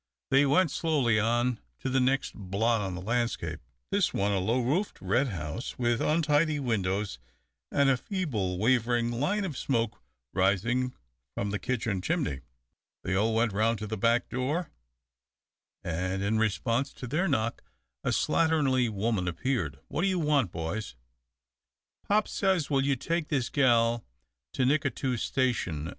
They went slowly on to the next blot on the landscape, this one, a low roofed, red house with untidy windows, and a feeble, wavering line of smoke rising from the kitchen chimney. They all went around to the back door, and, in response to their knock a slatternly woman appeared. "What you want, boys?" "Pop says will you take this gal to Nicatoos station?"